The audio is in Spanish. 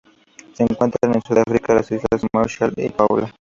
Se encuentran en Sudáfrica, las Islas Marshall y Palau.